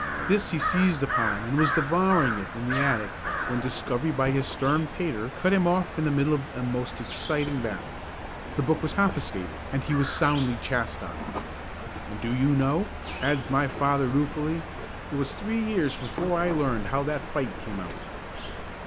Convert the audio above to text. This he seized upon and was devouring it in the attic when discovery by his stern pater cut him off in the middle of a most exciting battle. The book was confiscated and he was soundly chastised. "And do you know," adds my father ruefully, "it was three years before I learned how that fight came out!"